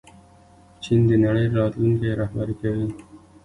چین د نړۍ راتلونکی رهبري کوي.